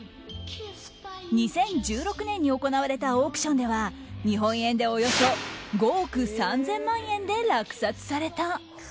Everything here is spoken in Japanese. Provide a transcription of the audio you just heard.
２０１６年に行われたオークションでは日本でおよそ５億３０００万円で落札された。